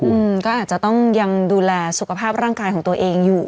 อืมก็อาจจะต้องยังดูแลสุขภาพร่างกายของตัวเองอยู่